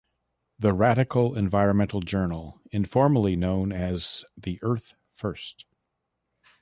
The Radical Environmental Journal", informally known as the "Earth First!